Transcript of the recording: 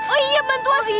oh iya bantuan